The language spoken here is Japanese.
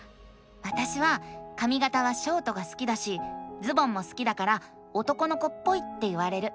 わたしはかみがたはショートが好きだしズボンも好きだから男の子っぽいって言われる。